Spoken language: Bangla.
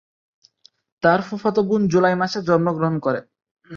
তার ফুফাতো বোন জুলাই মাসে জন্মগ্রহণ করে।